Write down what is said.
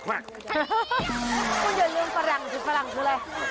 คุณเยียร์เรียงฝรั่งจริงฝรั่งเพราะอะไร